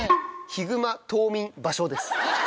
「ヒグマ冬眠場所」です。